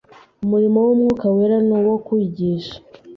Umurimo w'Umwuka Wera ni uwo kwigisha